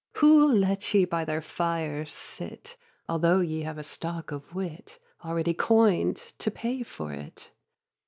Who'll let ye by their fire sit, Although ye have a stock of wit, Already coin'd to pay for it?